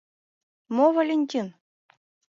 Мо Валентин?